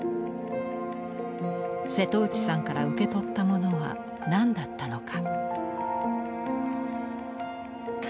瀬戸内さんから受け取ったものは何だったのか。